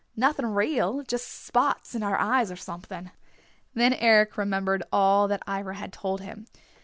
Nothing real, just spots in our eyes or something." Then Eric remembered all that Ivra had told him.